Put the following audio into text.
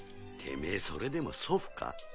てめぇそれでも祖父か？